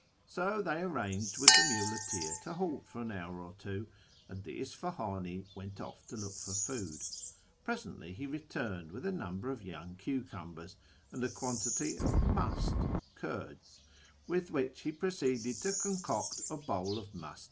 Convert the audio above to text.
So they arranged with |;he muleteer to halt for an hour or two, and the Isfahani went )ff to look for food. Presently he returned with a number >f young cucumbers and a quantity of vidst (curds), with vhich he proceeded to concoct a bowl of mast khiydr.